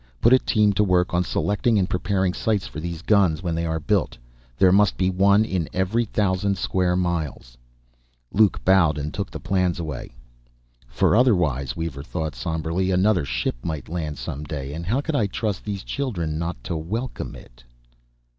"Put a team to work on selecting and preparing sites for these guns, when they are built. There must be one in every thousand square miles...." Luke bowed and took the plans away. ... For otherwise, Weaver thought somberly, another ship might land, some day. And how could I trust these children not to welcome it?